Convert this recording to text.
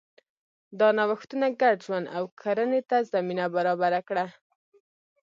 دا نوښتونه ګډ ژوند او کرنې ته زمینه برابره کړه.